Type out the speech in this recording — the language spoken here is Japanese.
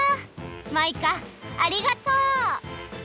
マイカありがとう！